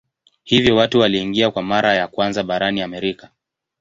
Hivyo watu waliingia kwa mara ya kwanza barani Amerika.